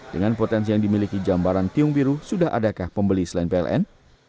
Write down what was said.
dengan potensi yang dimiliki jambaran tiung biru sudah adakah pembeli selain pln